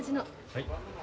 はい。